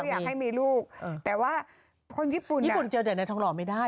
อยากให้มีลูกแต่ว่าคนญี่ปุ่นญี่ปุ่นเจอแต่ในทองหล่อไม่ได้